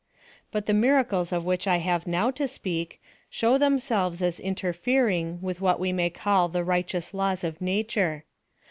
But the miracles of which I have now to speak, show themselves as interfering with what we may call the righteous laws of nature.